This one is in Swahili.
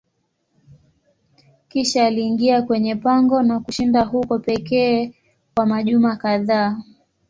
Kisha aliingia kwenye pango na kushinda huko pekee kwa majuma kadhaa.